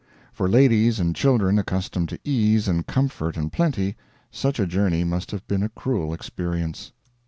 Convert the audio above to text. For ladies and children accustomed to ease and comfort and plenty, such a journey must have been a cruel experience.